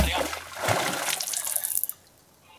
په کوم کتاب کي د امان ورکولو مسئله ذکر سوې ده؟